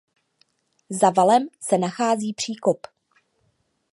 Za valem se nachází příkop.